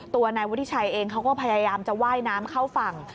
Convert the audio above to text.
ตัวนายวุฒิชัยเองเขาก็พยายามจะว่ายน้ำเข้าฝั่ง